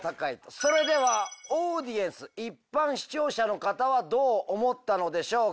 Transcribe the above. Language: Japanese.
それではオーディエンス一般視聴者の方はどう思ったのでしょうか